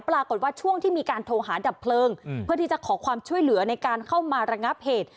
ปรากฏว่าช่วงที่มีการโทรหาดับเพลิงเพื่อที่จะขอความช่วยเหลือในการเข้ามาระงับเหตุ